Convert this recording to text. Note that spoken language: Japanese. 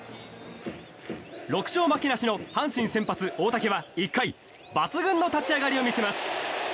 ６勝負けなしの阪神先発、大竹は１回抜群の立ち上がりを見せます。